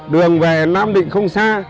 đường về nam định không xa